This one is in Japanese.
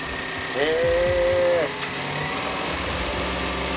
へえ！